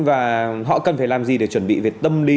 và họ cần phải làm gì để chuẩn bị về tâm lý